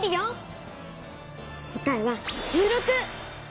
答えは１６！